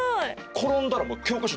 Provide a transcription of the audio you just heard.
転んだらもう教科書